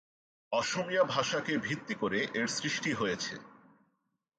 অসমীয়া ভাষাকে ভিত্তি করে এর সৃষ্টি হয়েছে।